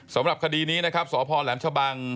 สำหรับคดีนี้นะครับสพแหลมชะบัง